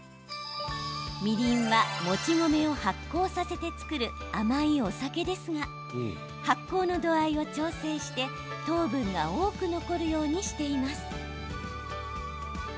みりんはもち米を発酵させて造る甘いお酒ですが発酵の度合いを調整して糖分が多く残るようにしています。